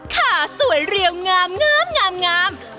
ขาสวยเรียวงามงามงาม